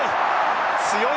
強い！